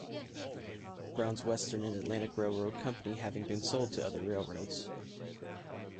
Brown's Western and Atlantic Railroad Company having been sold to other railroads.